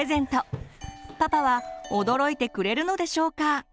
パパは驚いてくれるのでしょうか？